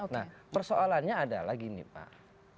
nah persoalannya adalah gini pak